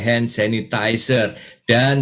hand sanitizer dan